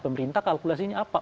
pemerintah kalkulasinya apa